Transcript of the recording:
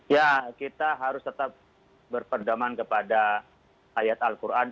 ya kita harus tetap berperdaman kepada ayat al qur'an